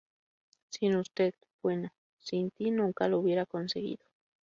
sin usted... bueno, sin ti nunca lo hubiera conseguido.